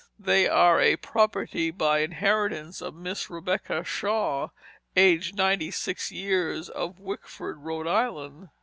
They are the property by inheritance of Miss Rebecca Shaw, aged ninety six years, of Wickford, Rhode Island.